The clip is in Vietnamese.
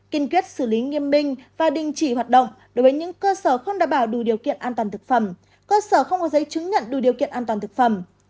kiên quyết xử lý nghiêm minh và đình chỉ hoạt động đối với những cơ sở không đảm bảo đủ điều kiện an toàn thực phẩm cơ sở không có giấy chứng nhận đủ điều kiện an toàn thực phẩm